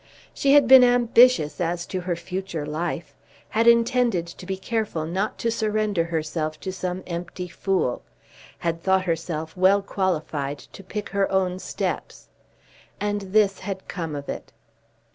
She had been ambitious as to her future life; had intended to be careful not to surrender herself to some empty fool; had thought herself well qualified to pick her own steps. And this had come of it!